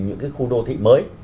những cái khu đô thị mới